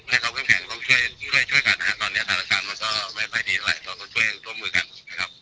ให้เขาแข็งแข็งเขาช่วยช่วยกันนะฮะตอนเนี้ยสถานการณ์มันก็ไม่ใช่ดีอะไรเราต้องช่วยตัวมือกันนะครับ